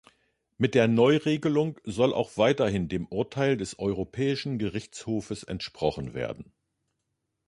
Mit der Neuregelung soll auch weiterhin dem Urteil des Europäischen Gerichtshofes entsprochen werden.